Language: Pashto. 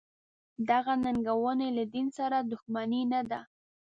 دغه ننګونې له دین سره دښمني نه ده.